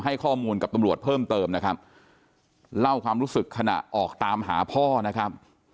ให้ข้อมูลกับตำรวจเพิ่มเติมนะครับเล่าความรู้สึกขณะออกตามหาพ่อนะครับ